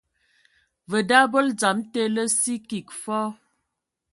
Vǝ da mbol dzam te lǝ sǝ kig fɔɔ.